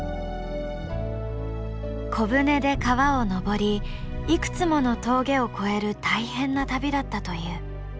小舟で川を上りいくつもの峠を越える大変な旅だったという。